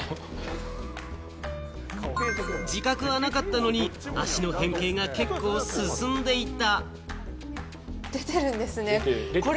自覚はなかったのに、足の変形が結構進んでいた。